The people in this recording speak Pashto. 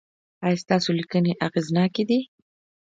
ایا ستاسو لیکنې اغیزناکې دي؟